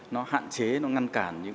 nó hạn chế nó ngăn cản